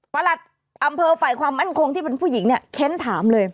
อำเภอฝ่ายความมั่นคงที่เป็นผู้หญิงเนี่ยเค้นถามเลย